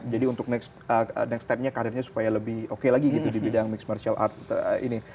jadi untuk next stepnya karirnya supaya lebih oke lagi gitu di bidang mixed martial art ini